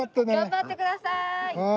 頑張ってください。